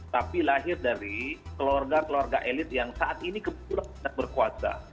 tapi lahir dari keluarga keluarga elit yang saat ini kebetulan sedang berkuasa